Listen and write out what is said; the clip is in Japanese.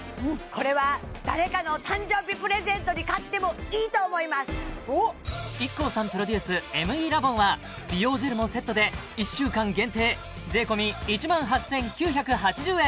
これはＩＫＫＯさんプロデュースＭＥラボンは美容ジェルもセットで１週間限定税込１万８９８０円